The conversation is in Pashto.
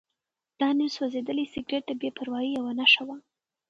دا نیم سوځېدلی سګرټ د بې پروایۍ یوه نښه وه.